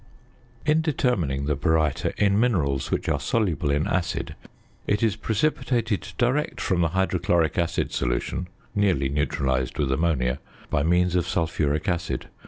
In determining the baryta in minerals which are soluble in acid, it is precipitated direct from the hydrochloric acid solution (nearly neutralised with ammonia) by means of sulphuric acid.